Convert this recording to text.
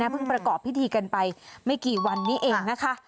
ประกอบพิธีกันไปไม่กี่วันนี้เองนะคะ